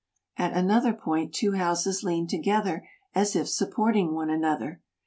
At another point two houses lean to gether as if supporting one another.